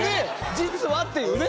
「実は」っていうね。